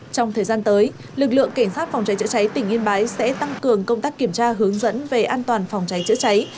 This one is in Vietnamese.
trong thời gian tới lực lượng cảnh sát phòng cháy chữa cháy tỉnh yên bái sẽ tăng cường công tác kiểm tra hướng dẫn về an toàn phòng cháy chữa cháy